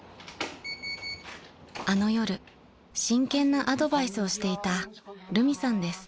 ［あの夜真剣なアドバイスをしていたるみさんです］